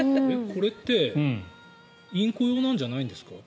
これってインコ用なんじゃないんですか？